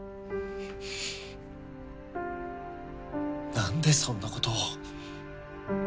何でそんなことを。